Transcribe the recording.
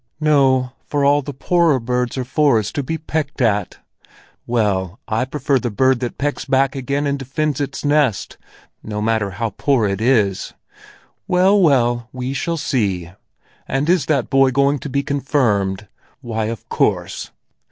"No, for all that the poorer birds are for is to be pecked at! Well, I prefer the bird that pecks back again and defends its nest, no matter how poor it is. Well, well, we shall see! And is that boy going to be confirmed? Why, of course!